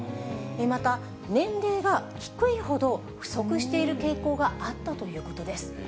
また、年齢が低いほど不足している傾向があったということです。